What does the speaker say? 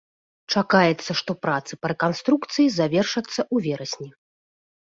Чакаецца, што працы па рэканструкцыі завершацца ў верасні.